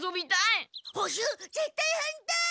ほ習ぜったい反対！